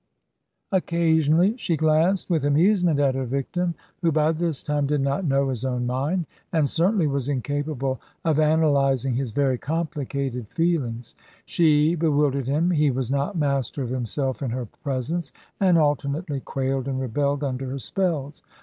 Occasionally she glanced with amusement at her victim, who by this time did not know his own mind, and certainly was incapable of analysing his very complicated feelings. She bewildered him; he was not master of himself in her presence, and alternately quailed and rebelled under her spells.